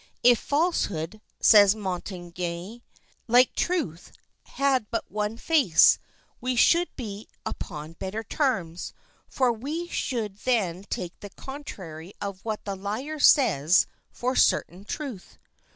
If falsehood, says Montaigne, like truth, had but one face, we should be upon better terms; for we should then take the contrary of what the liar says for certain truth.